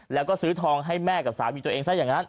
แล้วก็ซื้อทองให้แม่กับสามีตัวเองซะอย่างนั้น